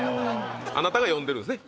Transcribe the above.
あなたが呼んでるんですね？